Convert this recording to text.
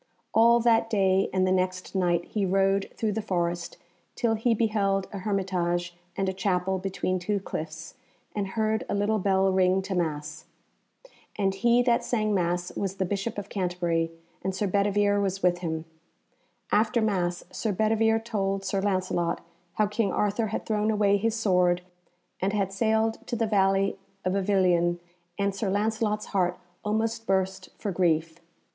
All that day and the next night he rode through the forest till he beheld a hermitage and a chapel between two cliffs, and heard a little bell ring to Mass. And he that sang Mass was the Bishop of Canterbury, and Sir Bedivere was with him. After Mass Sir Bedivere told Sir Lancelot how King Arthur had thrown away his sword and had sailed to the valley of Avilion, and Sir Lancelot's heart almost burst for grief.